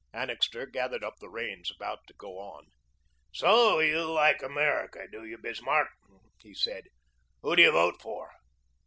Annixter gathered up the reins, about to go on. "So you like America, do you, Bismarck?" he said. "Who do you vote for?"